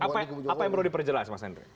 apa yang perlu diperjelas mas hendry